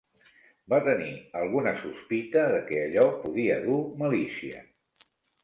Va tenir alguna sospita de que allò podia dur malicia